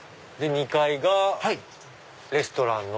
２階がレストラン。